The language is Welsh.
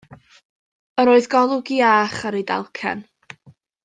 Yr oedd golwg iach ar ei dalcen.